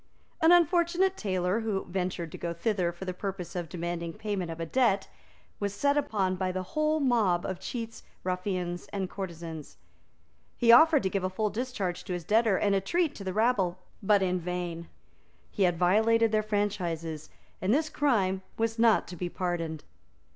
An unfortunate tailor, who ventured to go thither for the purpose of demanding payment of a debt, was set upon by the whole mob of cheats, ruffians and courtesans. He offered to give a full discharge to his debtor and a treat to the rabble, but in vain. He had violated their franchises; and this crime was not to be pardoned.